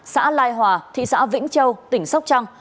xã lai hòa thị xã vĩnh châu tỉnh sóc trăng